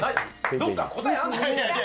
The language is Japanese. どっかに答えあるの？